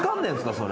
それ。